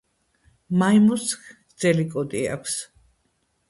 მაიმუნს გრზზელი კუდი აქვს.